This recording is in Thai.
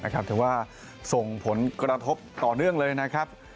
ถือว่าส่งผลกระทบต่อเนื่องเลยนะครับ